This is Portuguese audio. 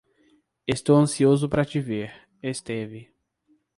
Estou ansioso para te ver, Esteve.